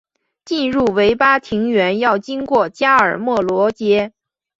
进入维巴庭园要经过加尔默罗街。